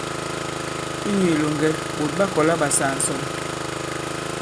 Inyū ilòŋgɛ, ɓòt ɓa kɔ̀la ɓa saa ǹsɔn.